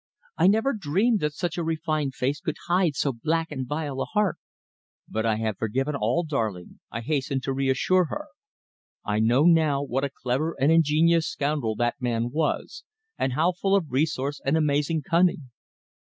I never dreamed that such a refined face could hide so black and vile a heart." "But I have forgiven all, darling," I hasten to reassure her! "I know now what a clever and ingenious scoundrel that man was, and how full of resource and amazing cunning.